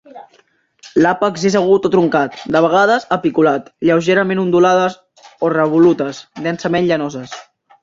L'àpex és agut o truncat, de vegades, apiculat, lleugerament ondulades o revolutes, densament llanoses.